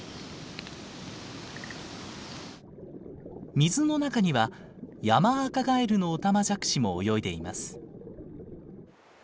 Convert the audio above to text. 水の中にはヤマアカガエルのオタマジャクシも泳いでいます。